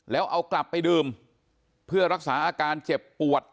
แล้วเอากลับไปดื่มเพื่อรักษาอาการเจ็บปวด